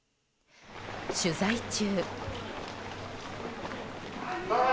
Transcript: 取材中。